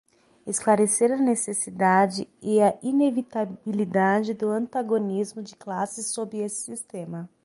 esclarecer a necessidade e a inevitabilidade do antagonismo de classe sob esse sistema